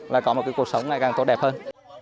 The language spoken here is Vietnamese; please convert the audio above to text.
là có một cuộc sống ngày càng tốt đẹp hơn